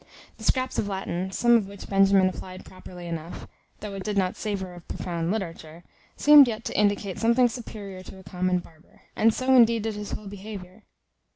The scraps of Latin, some of which Benjamin applied properly enough, though it did not savour of profound literature, seemed yet to indicate something superior to a common barber; and so indeed did his whole behaviour.